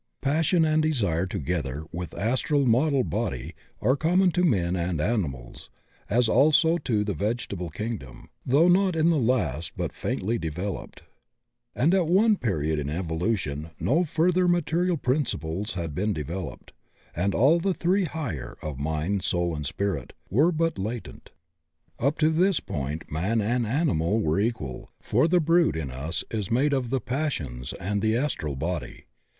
Passion and desire together with astral model body are common to men and animals, as also to the vege table kingdom, though in the last but faintly devel oped. A^d at one period in evolution no further material principles had been developed, and all the three higjier, of Mind, Soul, and Spirit, were but latent. Up to this point man and animal were equal, for the brute in us is made of the passions and the astral body.